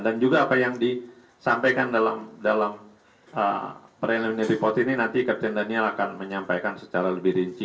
dan juga apa yang disampaikan dalam preliminary report ini nanti kapten daniel akan menyampaikan secara lebih rinci